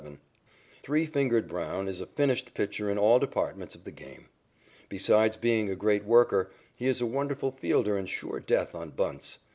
"Three Fingered" Brown is a finished pitcher in all departments of the game. Besides being a great worker, he is a wonderful fielder and sure death on bunts.